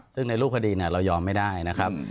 ซึ่งในรูปคดีเรายอมไม่ได้นะครับ